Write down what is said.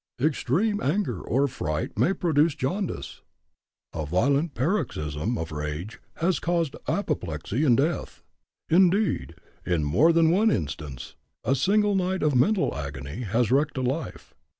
Extreme anger or fright may produce jaundice. A violent paroxysm of rage has caused apoplexy and death. Indeed, in more than one instance, a single night of mental agony has wrecked a life.